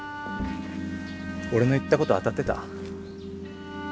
俺の言ったこと当たってた？